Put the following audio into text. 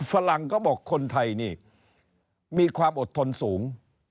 ฝรั่งก็บอกคนไทยนี่มีความอดทนสูง